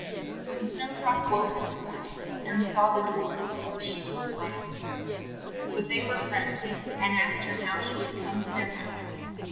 When Snow drop woke in the morn ing, and saw the dwarfs, she was fright ened. But they were friend ly, and asked her how she had come to their house.